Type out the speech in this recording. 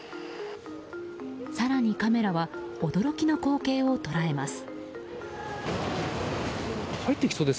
更にカメラは驚きの光景を捉えます。